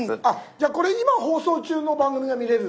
じゃあこれ今放送中の番組が見れるってことですか？